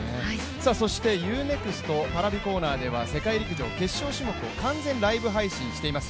そしてＵ−ＮＥＸＴＰａｒａｖｉコーナーでは世界陸上決勝種目を完全ライブ配信しています。